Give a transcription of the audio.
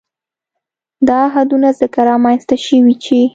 دا حدونه ځکه رامنځ ته شوي چې